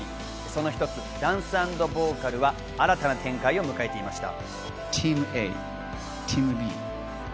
その１つ、ダンス＆ボーカルは新たな展開を迎えていました。